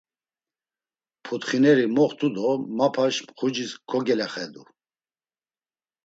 Putxineri moxtu do mapaş mxucis kogelaxedu.